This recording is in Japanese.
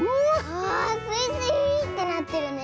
あスイスイーってなってるね。